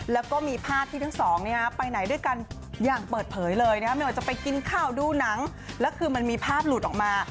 แล้วก็มีภาพที่ทั้งสองไปไหนด้วยกันอย่างเปิดเผยเลยไม่ว่าจะไปกินข้าวดูหนังแล้วคือมันมีภาพหลุดออกมา